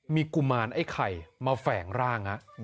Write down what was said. มีกุมารไอ้ไข่มาแฝงร่าง